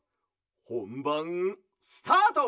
ほんばんスタート！